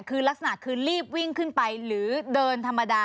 คือลักษณะคือรีบวิ่งขึ้นไปหรือเดินธรรมดา